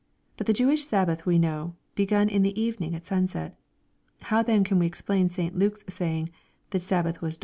But the Jewish Sabbath we know begun in the evening at sunset. How then can we explain St. Luke's saying, ^' The Sabbath was dawning?"